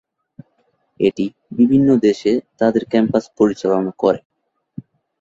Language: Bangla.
এটি বিভিন্ন দেশে তাদের ক্যাম্পাস পরিচালনা করে।